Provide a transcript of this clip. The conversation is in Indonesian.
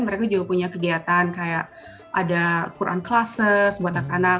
mereka juga punya kegiatan kayak ada quran classes buat anak anak